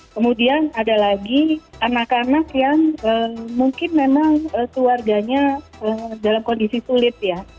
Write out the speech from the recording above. kemudian ada lagi anak anak yang mungkin memang keluarganya dalam kondisi sulit ya